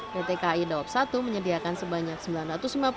pt kai dawab satu menyediakan sebanyak sembilan ratus sembilan puluh tiket